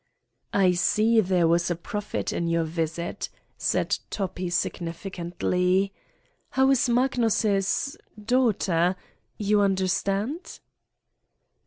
"I see there was profit in your visit, " said Top pi significantly. "How is Magnus' ... daugh ter! You understand?"